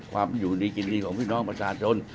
ความอยู่ดีกินดีของพี่น้องประชาชน